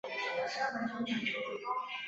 禹之谟人。